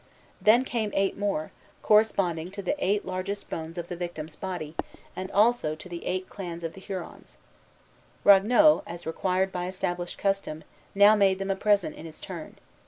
Then came eight more, corresponding to the eight largest bones of the victim's body, and also to the eight clans of the Hurons. Ragueneau, as required by established custom, now made them a present in his turn.